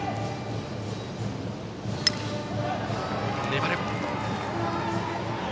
粘る。